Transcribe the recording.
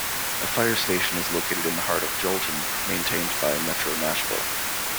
A fire station is located in the heart of Joelton, maintained by Metro Nashville.